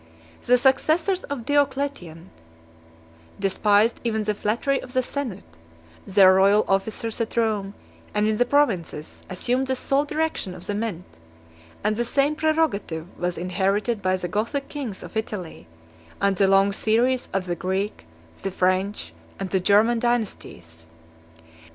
The successors of Diocletian despised even the flattery of the senate: their royal officers at Rome, and in the provinces, assumed the sole direction of the mint; and the same prerogative was inherited by the Gothic kings of Italy, and the long series of the Greek, the French, and the German dynasties.